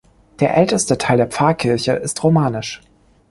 Der älteste Teil der Pfarrkirche ist romanisch.